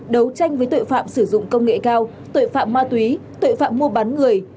đấu tranh với tội phạm sử dụng công nghệ cao tội phạm ma túy tội phạm mua bán người